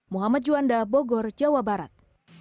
muhammad juanda bogor jawa barat